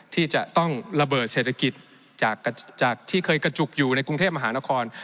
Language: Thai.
ที่จะต้องระเบิดเศรษฐกิจจากที่เคยกระจุกอยู่ในกรุงเทพมหานคร